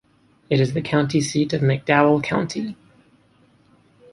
It is the county seat of McDowell County.